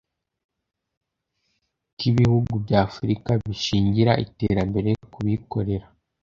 Kk’ibihugu bya Afurika bishingira iterambere ku bikorera